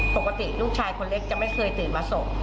ปกติลูกชายคนเล็กจะไม่เคยตื่นมาส่ง